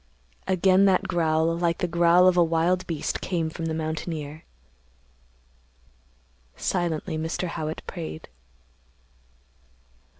Again that growl like the growl of a wild beast came from the mountaineer. Silently Mr. Howitt prayed.